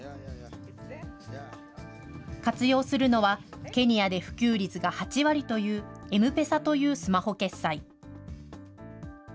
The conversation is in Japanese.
活用するのは、ケニアで普及率が８割という、エムペサというスマホ決済。